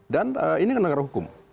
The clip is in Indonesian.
dan ini kena hukum